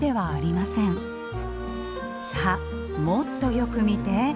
さあもっとよく見て。